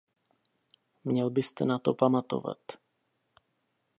Měl byste na to pamatovat.